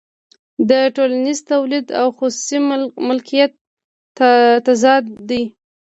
دا د ټولنیز تولید او خصوصي مالکیت تضاد دی